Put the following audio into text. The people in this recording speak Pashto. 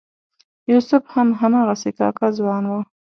یوسف هم هماغسې کاکه ځوان و.